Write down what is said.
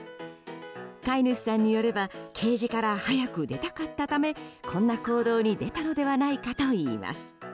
飼い主さんによればケージから早く出たかったためこんな行動に出たのではないかといいます。